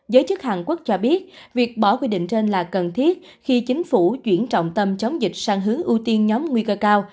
giới chức hàn quốc cho biết việc bỏ quy định trên là cần thiết khi chính phủ chuyển trọng tâm chống dịch sang hướng ưu tiên nhóm nguy cơ cao